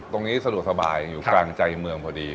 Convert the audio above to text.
ตรงนี้สะดวกสบายอยู่กลางใจเมืองพอดี